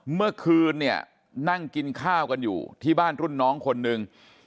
เมื่อคืนเนี่ยนั่งกินข้าวกันอยู่ที่บ้านรุ่นน้องคนหนึ่ง